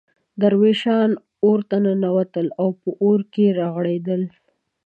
درویشان اورته ننوتل او په اور کې رغړېدل.